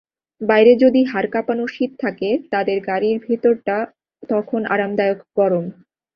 বাইরে যদি হাড়কাঁপানো শীত থাকে, তাঁদের গাড়ির ভেতরটা তখন আরামদায়ক গরম।